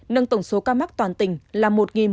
nâng tổng số ca mắc toàn tỉnh là một một trăm một mươi ba